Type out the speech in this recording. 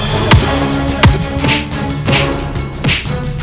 seberang kek wirklich